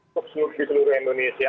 subsurfi seluruh indonesia